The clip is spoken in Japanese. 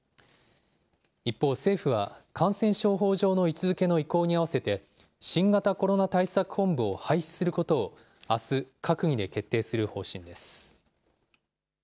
一方、政府は感染症法上の位置づけの移行にあわせて、新型コロナ対策本部を廃止することを、あす、閣議で決定する方針です。